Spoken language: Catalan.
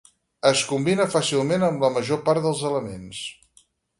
Es combina fàcilment amb la major part dels elements.